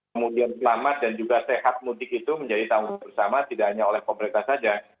kemudian selamat dan juga sehat mudik itu menjadi tanggung jawab bersama tidak hanya oleh pemerintah saja